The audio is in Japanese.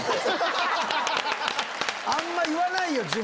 あんま言わないよ